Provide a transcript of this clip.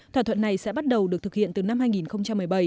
thỏa thuận này sẽ bắt đầu được thực hiện từ năm hai nghìn một mươi bảy